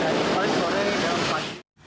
dan kita masih bisa berada di kawasan